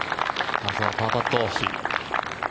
まずはパーパット。